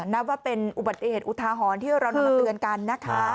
นับว่าเป็นอุบัติเหตุอุทาหรณ์ที่เรานำมาเตือนกันนะคะ